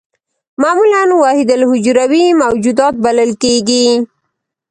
معمولاً وحیدالحجروي موجودات بلل کېږي.